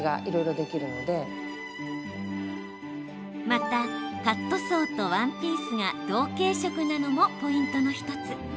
また、カットソーとワンピースが同系色なのもポイントの１つ。